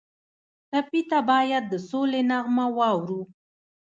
ټپي ته باید د سولې نغمه واورو.